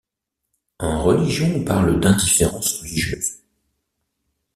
En religion, on parle d'indifférence religieuse.